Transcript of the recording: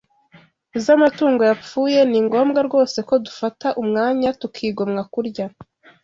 z’amatungo yapfuye, ni ngombwa rwose ko dufata umwanya tukigomwa kurya